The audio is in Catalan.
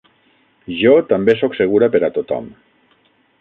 Jo també soc segura per a tothom.